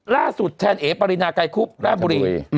ล่าสุดแทนเอปรินาไกรคุบล่าบุรี